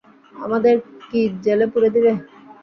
আমাদের কি জেলে পুরে দিবে?